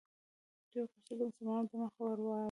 دوی غوښتل د مسلمانانو مخه ور واړوي.